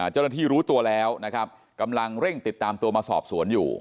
เจ้าหน้าที่รู้ตัวแล้วนะครับกำลังเร่งติดตามตัวมาสอบสวนอยู่